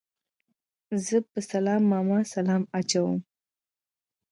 زه په سلام ماما سلام اچوم